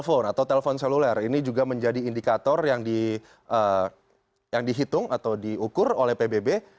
telepon atau telpon seluler ini juga menjadi indikator yang dihitung atau diukur oleh pbb